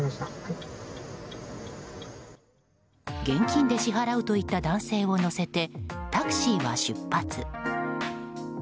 現金で支払うと言った男性を乗せてタクシーは出発。